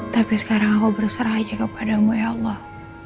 tapi sekarang aku berserah aja kepadamu ya allah